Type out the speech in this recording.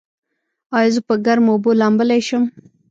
ایا زه په ګرمو اوبو لامبلی شم؟